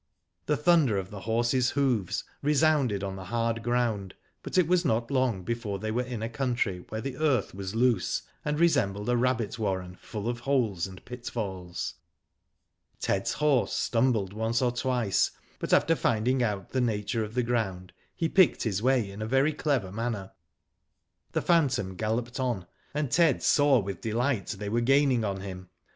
The thunder of the horses' hoofs resounded on the hard ground, but it was not long before they were in a country where the earth was loose, and resembled a rabbit warren full of holes and pit falls. Ted's horse stumbled once or twice, but after finding out the nature of the ground, he picked his way in a very clever manner. The phantom galloped on, and Ted saw with delight they were gaining on him.